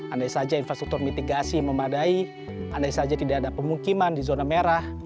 andai saja infrastruktur mitigasi memadai andai saja tidak ada pemukiman di zona merah